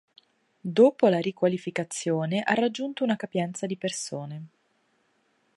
Dopo la riqualificazione ha raggiunto una capienza di persone.